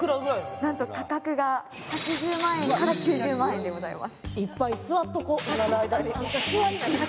なんと価格が８０万円から９０万円でございます。